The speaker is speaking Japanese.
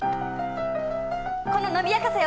この伸びやかさよ。